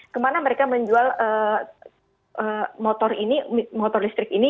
kemana mereka menjual motor listrik ini